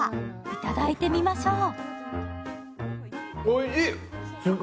いただいてみましょう。